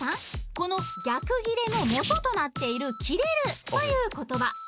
この逆ギレの元となっている「キレる」という言葉